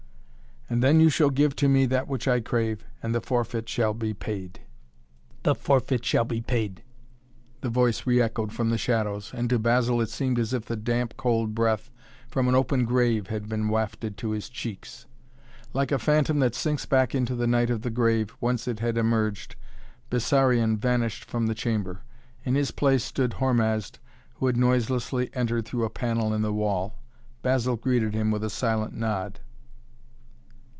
"And then you shall give to me that which I crave, and the forfeit shall be paid." "The forfeit shall be paid," the voice re echoed from the shadows, and to Basil it seemed as if the damp, cold breath from an open grave had been wafted to his cheeks. Like a phantom that sinks back into the night of the grave, whence it had emerged, Bessarion vanished from the chamber. In his place stood Hormazd, who had noiselessly entered through a panel in the wall. Basil greeted him with a silent nod.